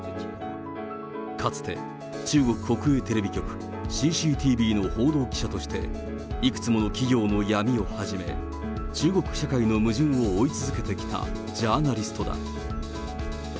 かつて中国国営テレビ局、ＣＣＴＶの報道記者として、いくつもの企業の闇をはじめ、中国社会の矛盾を追い続けてきたジャーナリストだ。